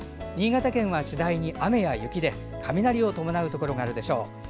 新潟県は次第に雨や雪で雷を伴うところがあるでしょう。